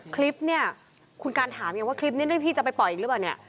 คลิปนี่คุณการถามอย่างว่าคลิปนี่เรื่องที่จะไปปล่อยหรือเปล่า